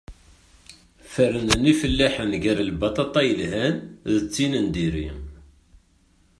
Fernen yifellaḥen gar lbaṭaṭa yelhan d tin n diri.